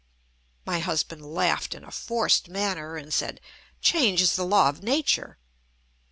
My husband laughed in a forced manner, and said: "Change is the law of nature."